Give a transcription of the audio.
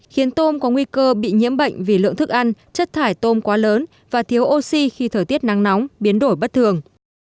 khiến tôm có nguy cơ bị nhiễm bệnh vì lượng thức ăn chất thải tôm quá lớn và thiếu oxy khi thời tiết nắng nóng biến đổi bất thường